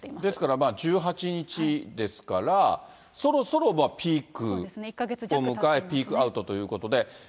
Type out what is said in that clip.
ですから、１８日ですから、そろそろピークを迎える、ピークアウトということで。